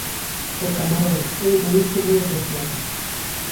O camarón é un marisco moi apreciado.